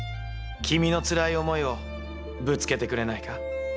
君のつらい思いをぶつけてくれないか。